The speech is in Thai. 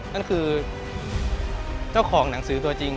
นั่นคือเจ้าของหนังสือตัวจริง